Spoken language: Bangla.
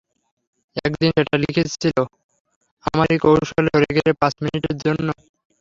একদিন সেটা লিখছিলে, আমারই কৌশলে সরে গেলে পাঁচ মিনিটের জন্যে।